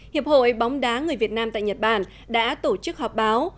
hiệp hội bóng đá người việt nam tại nhật bản đã tổ chức họp báo